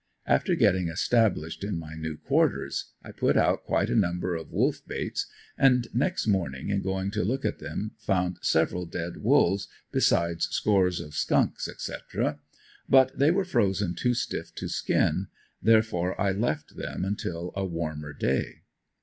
After getting established in my new quarters I put out quite a number of wolf baits and next morning in going to look at them found several dead wolves besides scores of skunks, etc. But they were frozen too stiff to skin, therefore I left them until a warmer day.